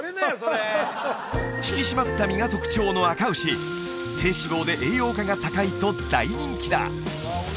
引き締まった身が特徴のあか牛低脂肪で栄養価が高いと大人気だ